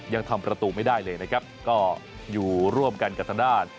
ยังทำประตูไม่ได้เลยนะครับก็อยู่ร่วมกันกับทางด้าน